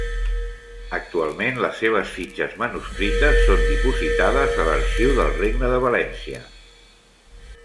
Actualment les seves fitxes manuscrites són dipositades a l'Arxiu del Regne de València.